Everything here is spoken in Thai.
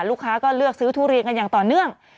ลูกค้าก็เลือกซื้อทุเรียนกันอย่างต่อเนื่อง